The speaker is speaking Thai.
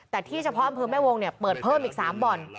แต่ที่เฉพาะอำเภอแม่วงเปิดเพิ่มอีก๓บ่อน